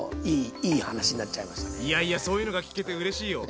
いやいやそういうのが聞けてうれしいよ。